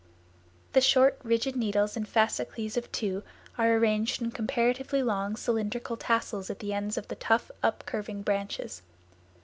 The short, rigid needles in fascicles of two are arranged in comparatively long cylindrical tassels at the ends of the tough up curving branches.